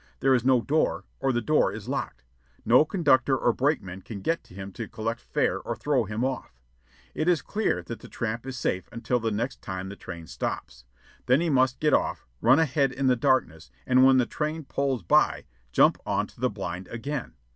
There is no door, or the door is locked. No conductor or brakeman can get to him to collect fare or throw him off. It is clear that the tramp is safe until the next time the train stops. Then he must get off, run ahead in the darkness, and when the train pulls by, jump on to the blind again.